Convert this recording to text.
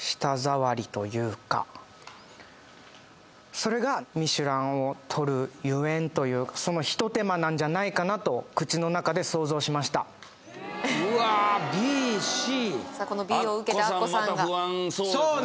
それがミシュランを獲るゆえんというかその一手間なんじゃないかなと口の中で想像しましたうわーＢＣそうね